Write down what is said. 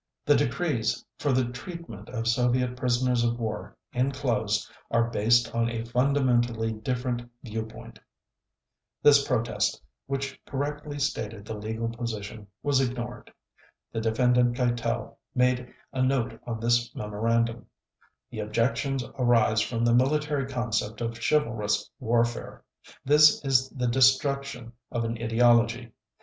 The decrees for the treatment of Soviet prisoners of war enclosed are based on a fundamentally different view point." This protest, which correctly stated the legal position, was ignored. The Defendant Keitel made a note on this memorandum: "The objections arise from the military concept of chivalrous warfare. This is the destruction of an ideology.